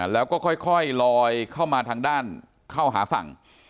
แล้วก็ค่อยลอยเข้ามาทางด้านเข้าหาฝั่ง